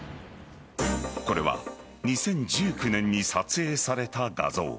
これは２０１９年に撮影された画像。